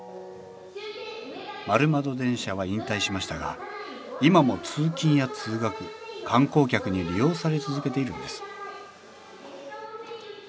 丸窓電車は引退しましたが今も通勤や通学観光客に利用され続けているんです